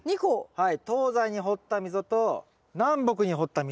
はい。